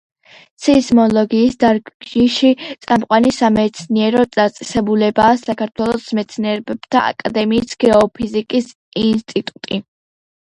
სეისმოლოგიის დარგში წამყვანი სამეცნიერო დაწესებულებაა საქართველოს მეცნიერებათა აკადემიის გეოფიზიკის ინსტიტუტი.